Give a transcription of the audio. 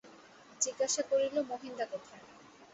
জিজ্ঞাসা করিল, মহিনদা কোথায়।